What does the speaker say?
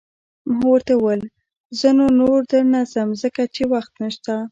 ما ورته وویل: زه نو، نور در نه ځم، ځکه چې وخت نشته.